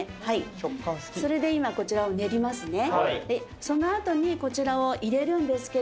食感好きそれで今こちらを練りますねで